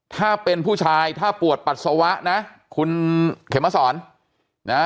ถ้าเป็นผู้ชายถ้าปวดปัสสาวะนะคุณเขมสอนนะ